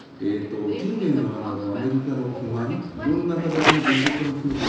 近年のアメリカの不満色んな形の分極化も含めて